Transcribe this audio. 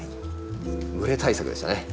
蒸れ対策でしたね。